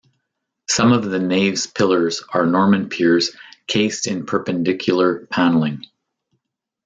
Some of the Nave's pillars are Norman piers cased in Perpendicular panelling.